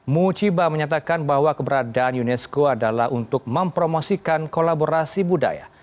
muchiba menyatakan bahwa keberadaan unesco adalah untuk mempromosikan kolaborasi budaya